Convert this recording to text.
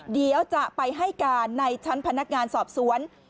เดี๋ยวจะไปให้การในชั้นพนักงานสอบสวน